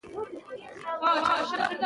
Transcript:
په افغانستان کې د تالابونو تاریخ خورا اوږد دی.